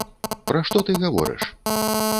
Пра што ты гаворыш?